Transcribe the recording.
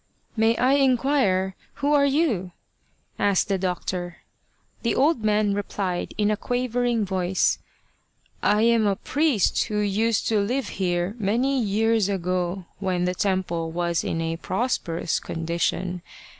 " May I inquire who are you ?" asked the doctor. The old man replied, in a quavering voice, " I am the priest who used to live here many years ago when the temple was in a prosperous condition.